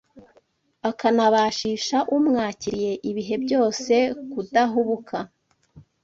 akanabashisha umwakiriye ibihe byose kudahubuka